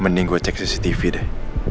mending gue cek cctv deh